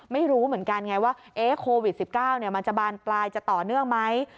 ไม่รู้เหมือนกันไงว่าเอ๊ะโควิด๑๙เนี่ยมันจะบานปลายจะต่อเนื่องมั้ย